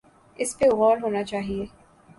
اس پہ غور ہونا چاہیے۔